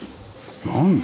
何だ？